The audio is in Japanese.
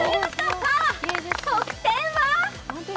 さあ、得点は？